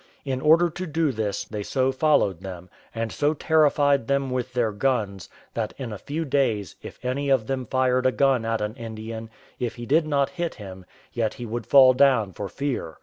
In order to do this, they so followed them, and so terrified them with their guns, that in a few days, if any of them fired a gun at an Indian, if he did not hit him, yet he would fall down for fear.